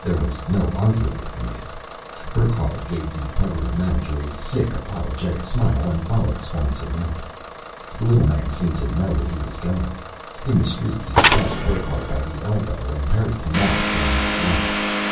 There was no arguing with the man. Burckhardt gave the hovering manager a sick, apologetic smile and followed Swanson out. The little man seemed to know where he was going. In the street, he clutched Burckhardt by the elbow and hurried him off down the block.